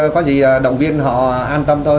có gì đồng viên họ an tâm thôi